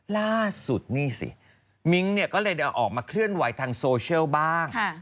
ล่าสุดนี่สิมิ้งเนี่ยก็เลยออกมาเคลื่อนไหวทางโซเชียลบ้าง